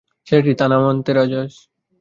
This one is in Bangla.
ছেলেটি তা মানতে নারাজ।